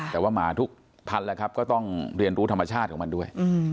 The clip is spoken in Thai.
แต่ว่าหมาทุกพันธุ์แล้วครับก็ต้องเรียนรู้ธรรมชาติของมันด้วย